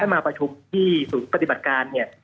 มาประชุมที่ศูนย์ปฏิบัติการเนี่ย